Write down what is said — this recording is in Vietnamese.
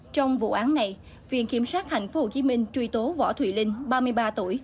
trong vụ án này viện kiểm sát tp hcm truy tố võ thùy linh ba mươi ba tuổi